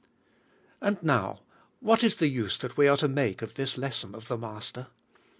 And now, what is the use that we are to make of this lesson of the Master?